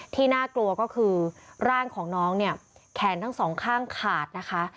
น่ากลัวก็คือร่างของน้องเนี่ยแขนทั้งสองข้างขาดนะคะ